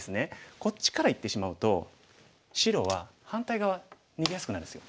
こっちからいってしまうと白は反対側逃げやすくなるんですよ。